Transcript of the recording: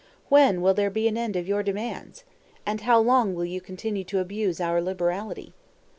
When will there be an end of your demands? and how long will you continue to abuse our liberality?